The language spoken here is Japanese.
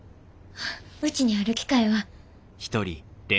うちにある機械は。